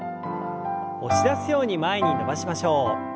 押し出すように前に伸ばしましょう。